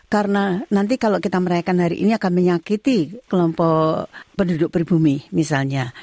karena nanti kalau kita merayakan hari ini akan menyakiti kelompok penduduk berbumi misalnya